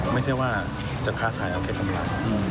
ไม่ใช่ว่าจะฆ่าขายเอาไขกันมา